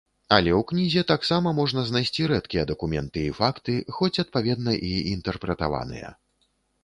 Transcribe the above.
Але ў кнізе таксама можна знайсці рэдкія дакументы і факты, хоць адпаведна і інтэрпрэтаваныя.